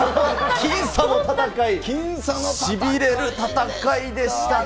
僅差の戦い、しびれる戦いでしたね。